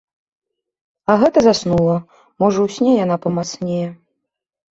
А гэта заснула, можа ў сне яна памацнее.